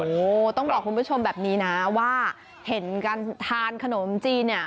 โอ้โหต้องบอกคุณผู้ชมแบบนี้นะว่าเห็นการทานขนมจีนเนี่ย